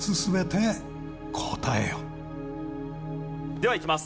ではいきます。